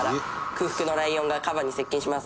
「空腹のライオンがカバに接近します